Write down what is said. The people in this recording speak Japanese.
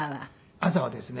朝はですね